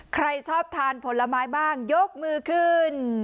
ใครชอบทานผลไม้บ้างยกมือขึ้น